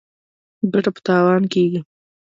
ګټه په تاوان کېږي.